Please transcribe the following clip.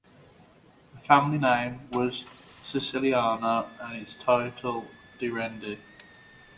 The family name was "Siciliano" and its title "di Rende".